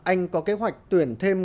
anh có kế hoạch tuyển thêm